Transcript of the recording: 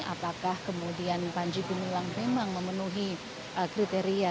apakah kemudian panji gumilang memang memenuhi kriteria